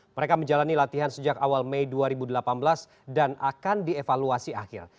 mereka menjalani latihan sejak awal mei dua ribu delapan belas dan akan dievaluasi akhir